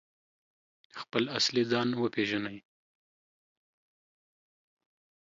خپل اصلي ځان وپیژني؟